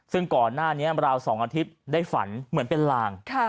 ซึ่งก่อนหน้านี้ราว๒อาทิตย์ได้ฝันเหมือนเป็นลาง